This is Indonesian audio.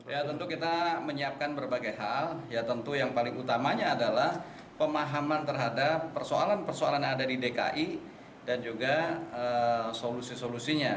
ya tentu kita menyiapkan berbagai hal ya tentu yang paling utamanya adalah pemahaman terhadap persoalan persoalan yang ada di dki dan juga solusi solusinya